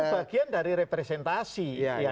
bagian dari representasi